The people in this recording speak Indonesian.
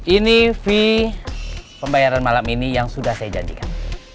ini fee pembayaran malam ini yang sudah saya janjikan